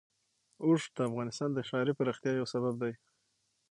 اوښ د افغانستان د ښاري پراختیا یو سبب دی.